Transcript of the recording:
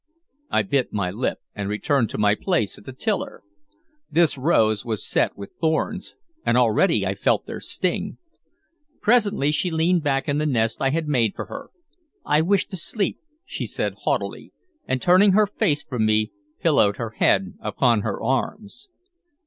I bit my lip, and returned to my place at the tiller. This rose was set with thorns, and already I felt their sting. Presently she leaned back in the nest I had made for her. "I wish to sleep," she said haughtily, and, turning her face from me, pillowed her head upon her arms.